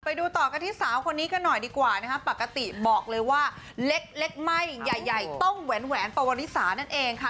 ไปดูต่อกันที่สาวคนนี้กันหน่อยดีกว่านะคะปกติบอกเลยว่าเล็กไม่ใหญ่ใหญ่ต้องแหวนแหวนปวริสานั่นเองค่ะ